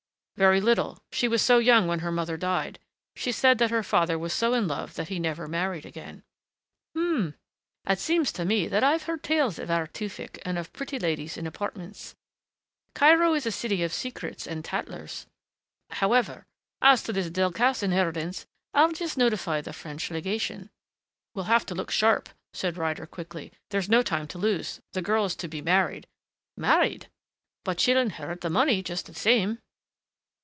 "Very little. She was so young when her mother died. She said that the father was so in love that he never married again." "H'm ... It seems to me that I've heard tales of our Tewfick and of pretty ladies in apartments. Cairo is a city of secrets and tattlers. However as to this Delcassé inheritance, I'll just notify the French legation " "We'll have to look sharp," said Ryder quickly. "There's no time to lose. The girl is to be married." "Married?... But she'll inherit the money just the same."